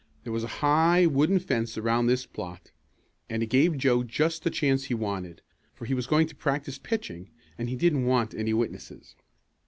There was a high wooden fence around this plot, and it gave Joe just the chance he wanted, for he was going to practice pitching, and he didn't want any witnesses.